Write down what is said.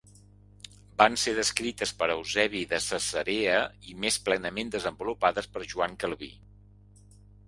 Van ser descrites per Eusebi de Cesarea i més plenament desenvolupades per Joan Calví.